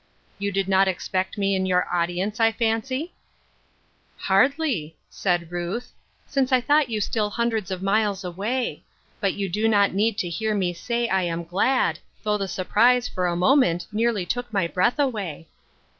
" You did not expect me in your audience, I fancy ?" ON THE MOUNT AND IN THE VALLEY. 191 " Hardly, " said Ruth, "since I thought you still hundreds of miles away ; but you do not need to hear me say I am glad, though the surprise, for a moment, nearly took my breath away."